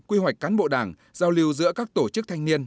quy hoạch cán bộ đảng giao lưu giữa các tổ chức thanh niên